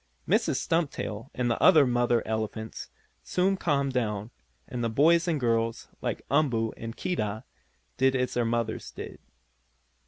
Mrs. Stumptail, and the other mother elephants, soon calmed down, and the boys and girls, like Umboo and Keedah, did as their mothers did.